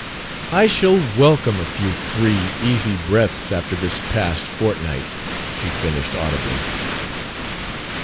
"I shall welcome a few free, easy breaths after this past fortnight," she finished audibly.